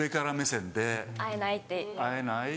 「会えない？」。